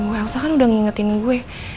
elsa kan udah ngingetin gue